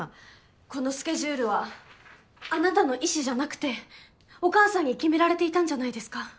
このスケジュールはあなたの意志じゃなくてお母さんに決められていたんじゃないですか？